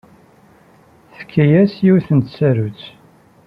Tefka-as yiwet n tsarut.